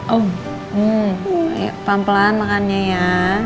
oh pelan pelan makannya ya